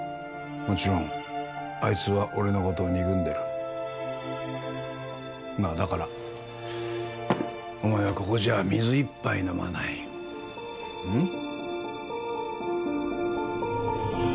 もちろんあいつは俺のことを憎んでるまあだからお前はここじゃ水一杯飲まないうん？